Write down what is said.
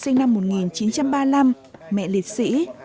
sinh năm một nghìn chín trăm ba mươi năm mẹ liệt sĩ